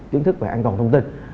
kiến thức về an toàn thông tin